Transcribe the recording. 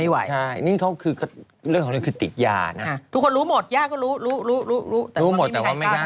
ฮะ๙นิ้วนั่นยุงเหรอโอ้ยขอโทษนะ